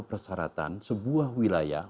persyaratan sebuah wilayah